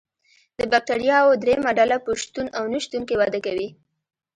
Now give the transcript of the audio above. د بکټریاوو دریمه ډله په شتون او نشتون کې وده کوي.